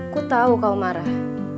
ku tau kau marah